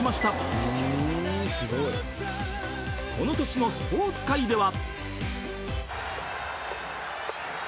［この年のスポーツ界では］